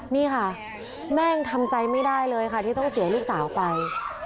นี่ค่ะแม่ยังทำใจไม่ได้เลยค่ะที่ต้องเสียลูกสาวไป